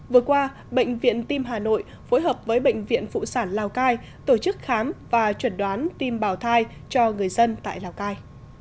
vừa qua bệnh viện tim hà nội phối hợp với bệnh viện phụ sản lào cai tổ chức khám và chuẩn đoán tim bảo thai cho người dân tại lào cai